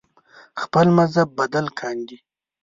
خپل مذهب بدل کاندي